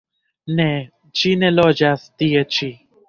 Ne, ŝi ne loĝas tie ĉi.